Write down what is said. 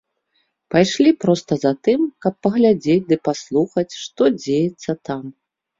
Пайшлі проста затым, каб паглядзець ды паслухаць, што дзеецца там.